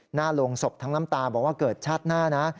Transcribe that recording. หน้าโรงศพทั้งน้ำตาบอกว่าเกิดชาติหน้านะ